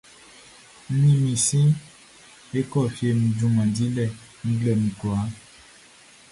N ni mi si e kɔ fie nun junman dilɛ nglɛmun kwlaa.